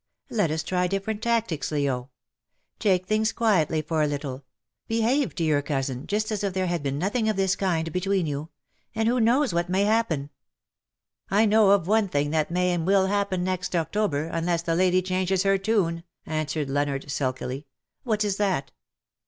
Let us try different tactics, Leo. Take things quietly for a little — behave to your cousin just as if there had been nothing of this kind between you — and who knows what may happen." " 1 know of one thing that may and will happen next October, unless the lady changes her tune/' answered Leonard, sulkily. " What is that